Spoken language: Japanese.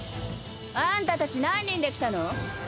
あんたたち何人で来たの？